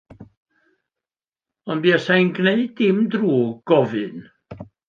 Ond buasai'n gwneud dim drwg gofyn.